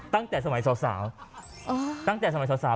ตั้งแต่สมัยสาวตั้งแต่สมัยสาว